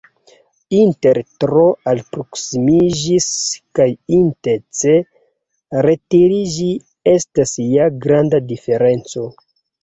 Inter tro alproksimiĝi kaj intence retiriĝi estas ja granda diferenco!